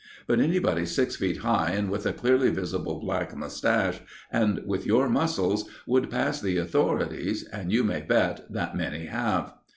But anybody six feet high and with a clearly visible black moustache, and with your muscles, would pass the authorities, and you may bet that many have."